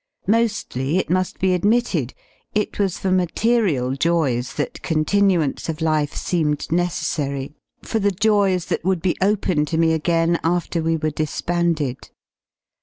Mo^ly, it mu^ be admitted, it was for material joys that continuance of life seemed neces sary, for the joys that would be open to me again after we — were disbanded.